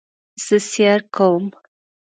زه سیر کوم